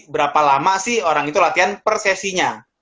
berapa lama sih orang itu latihan per sesinya